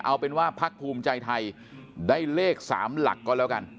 เอาเป็นว่าพักภูมิใจไทยได้เลข๓หลักก็แล้วกัน